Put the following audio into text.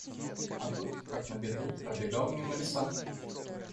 А тут, как на беду, пробегала мимо лиса.